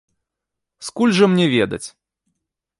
Скуль жа мне ведаць?